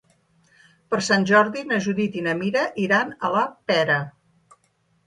Per Sant Jordi na Judit i na Mira iran a la Pera.